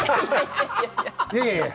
いやいやいや。